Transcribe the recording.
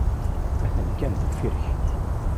Atan kan deffir-k.